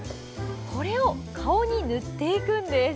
これを顔に塗っていくんです。